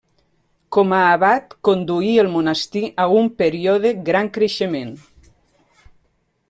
Com a abat conduí el monestir a un període gran creixement.